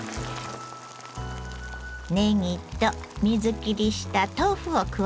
ねぎと水切りした豆腐を加えます。